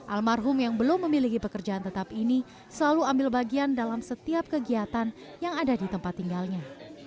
almarhum yang belum memiliki pekerjaan tetap ini selalu ambil bagian dalam setiap kegiatan yang ada di tempat tinggalnya